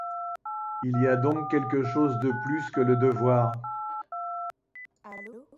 Il y a donc quelque chose de plus que le devoir?